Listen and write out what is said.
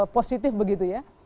positif begitu ya